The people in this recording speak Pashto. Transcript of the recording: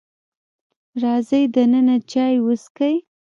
راځئ دننه چای وسکئ.